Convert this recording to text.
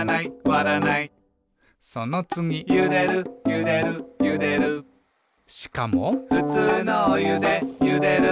そのつぎ「ゆでるゆでるゆでる」しかも「ふつうのおゆでゆでる」